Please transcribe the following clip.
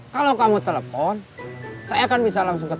kalau kamu telepon saya akan bisa langsung ke